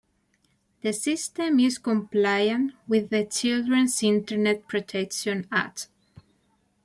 The system is compliant with the Children's Internet Protection Act.